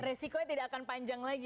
resikonya tidak akan panjang lagi